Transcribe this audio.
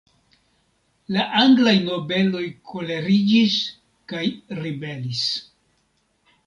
La anglaj nobeloj koleriĝis kaj ribelis.